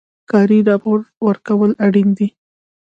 کاري راپور ورکول اړین دي